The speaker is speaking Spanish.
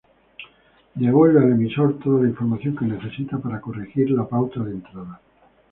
Devuelve al emisor toda la información que necesita para corregir la pauta de entrada.